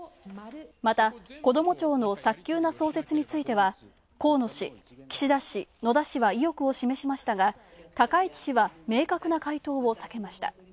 また、こども庁の早急な創設については河野氏、岸田氏、野田氏は意欲を示しましたが、高市氏は明確な回答を避けました。